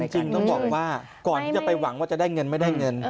จริงต้องบอกว่าก่อนที่จะไปหวังว่าจะได้เงินไม่ได้เงิน